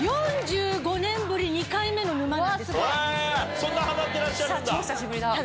そんなハマってらっしゃるんだ。